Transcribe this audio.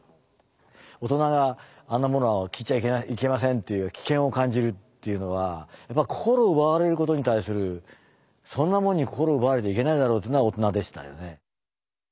大人が「あんなものは聴いちゃいけません」っていう危険を感じるっていうのはやっぱ心奪われる事に対するそんなもんに心奪われちゃいけないだろというのは大人でしたよね。